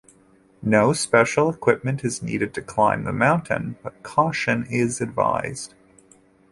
No special equipment is needed to climb the mountain, but caution is advised.